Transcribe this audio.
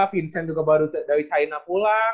vincent juga baru dari china pula